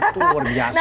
itu luar biasa